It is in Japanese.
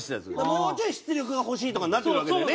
もうちょい出力が欲しいとかになってくるわけだよね